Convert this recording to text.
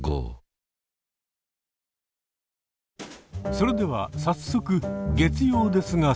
それでは早速「月曜ですがスペシャル」！